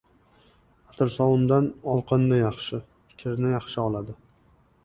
Atirsovundan olqindi yaxshi, kirni yaxshi oladi.